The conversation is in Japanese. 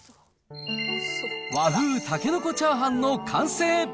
和風たけのこチャーハンの完成！